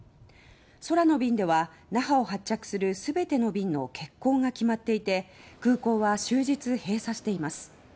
空の便では那覇を発着する全ての便の欠航が決まっていて空港は終日閉鎖しています。